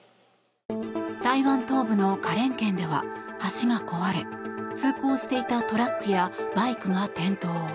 台湾東部の花蓮県では橋が壊れ通行していたトラックやバイクが転倒。